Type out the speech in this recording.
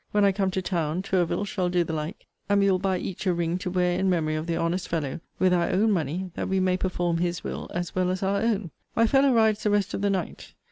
When I come to town, Tourville shall do the like; and we will buy each a ring to wear in memory of the honest fellow, with our own money, that we may perform his will, as well as our own. My fellow rides the rest of the night.